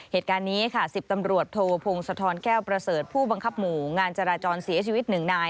เหตุการณ์นี้ค่ะ๑๐ตำรวจโทพงศธรแก้วประเสริฐผู้บังคับหมู่งานจราจรเสียชีวิตหนึ่งนาย